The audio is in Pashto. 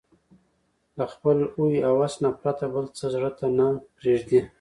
له خپل هوى او هوس نه پرته بل څه زړه ته نه پرېږدي